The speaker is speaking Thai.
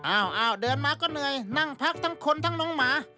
อ้าวเดินมาก็เหนื่อยนั่งพักทั้งคนทั้งน้องหมา